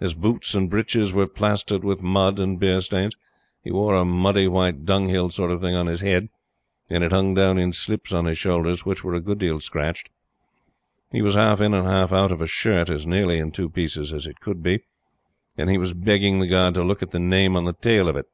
His boots and breeches were plastered with mud and beer stains. He wore a muddy white dunghill sort of thing on his head, and it hung down in slips on his shoulders, which were a good deal scratched. He was half in and half out of a shirt as nearly in two pieces as it could be, and he was begging the guard to look at the name on the tail of it.